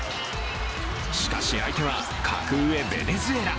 しかし、相手は格上ベネズエラ。